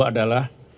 yang kedua adalah